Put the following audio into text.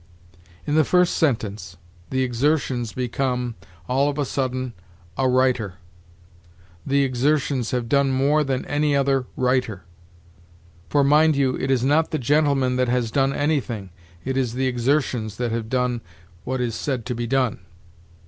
In the first sentence, the 'exertions' become, all of a sudden, a 'writer': the exertions have done more than 'any other writer'; for, mind you, it is not the gentleman that has done anything; it is 'the exertions' that have done what is said to be done.